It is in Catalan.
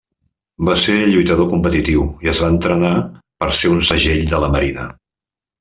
Va ser lluitador competitiu i es va entrenar per ser un segell de la Marina.